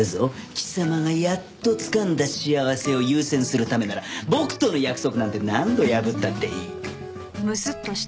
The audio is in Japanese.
貴様がやっとつかんだ幸せを優先するためなら僕との約束なんて何度破ったっていい。